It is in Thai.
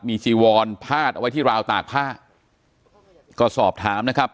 มีจีวอนพาดเอาไว้ที่ราวตากผ้าก็สอบถามนะครับ